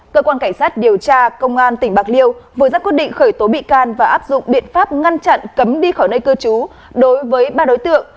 cơ quan cảnh sát điều tra công an tỉnh bạc liêu vừa ra quyết định khởi tố bị can và áp dụng biện pháp ngăn chặn cấm đi khỏi nơi cư trú đối với ba đối tượng